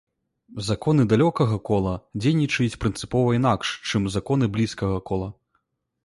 Законы далёкага кола дзейнічаюць прынцыпова інакш, чым законы блізкага кола.